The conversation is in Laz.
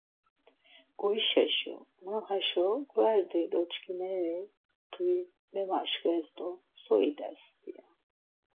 Goişaşu, ma haşo gverdi doç̌ǩineri mtui memaşkvez do so idez pia?